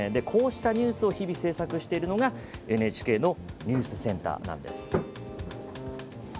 こうしたニュースを日々制作しているのがＮＨＫのニュースセンターなんです。